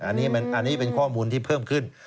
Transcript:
อันนี้เป็นข้อมูลที่เพิ่มขึ้น